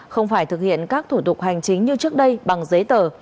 không phải thực hiện các thủ tục hành chính như trước đây bằng giấy tờ